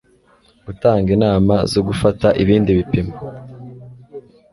gutanga inama zo gufata ibindi bipimo